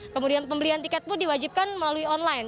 kemudian pembelian tiket pun diwajibkan melalui online